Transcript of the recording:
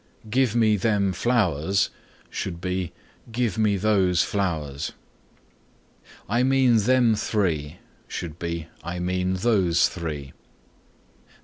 "Give me them flowers" should be "Give me those flowers"; "I mean them three" should be "I mean those three."